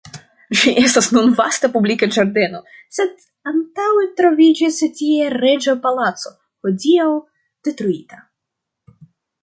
Ĝi estas nun vasta publika ĝardeno, sed antaŭe troviĝis tie reĝa palaco, hodiaŭ detruita.